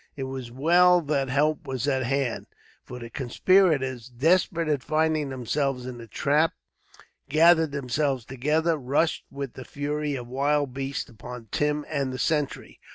It was well that help was at hand, for the conspirators, desperate at finding themselves in a trap, gathering themselves together, rushed with the fury of wild beasts upon Tim and the sentry.